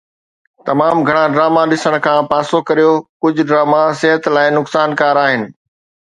تمام گھڻا ڊراما ڏسڻ کان پاسو ڪريو ڪجھ ڊراما صحت لاءِ نقصانڪار آھن